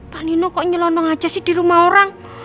pak nino kok nyelonong aja sih di rumah orang